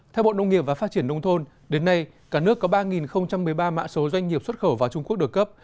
theo bộ nông nghiệp và phát triển nông thôn đến nay cả nước có ba một mươi ba mã số doanh nghiệp xuất khẩu vào trung quốc được cấp